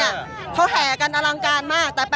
เนี่ยเขาแห่กันอลังการมาก